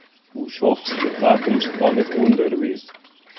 Hoe sjochst de takomst fan it ûnderwiis?